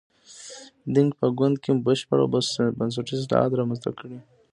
دینګ په ګوند کې بشپړ او بنسټیز اصلاحات رامنځته کړي.